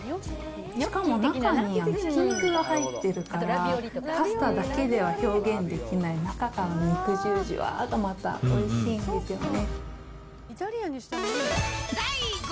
しかも中にひき肉が入ってるから、パスタだけでは表現できない、中から肉汁じゅわーが、またおいしいんですよね。